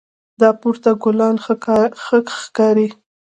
دا پورته ګلان ښه ښکاري